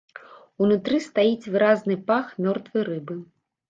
Унутры стаіць выразны пах мёртвай рыбы.